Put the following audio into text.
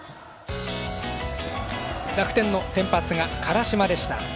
楽天の先発が辛島でした。